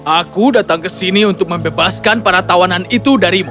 aku datang ke sini untuk membebaskan para tawanan itu darimu